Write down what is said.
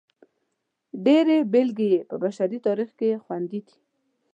ډېرې بېلګې یې په بشري تاریخ کې خوندي دي.